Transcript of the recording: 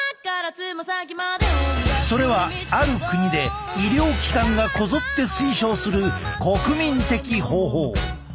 それはある国で医療機関がこぞって推奨する国民的方法。